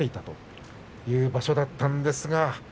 そういう場所だったんですが。